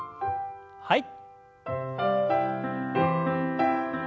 はい。